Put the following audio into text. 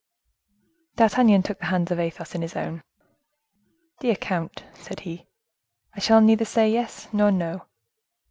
D'Artagnan took the hands of Athos in his own. "Dear count," said he, "I shall say neither 'Yes' nor 'No.